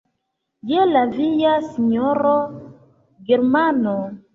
Je la via, sinjoro Germano!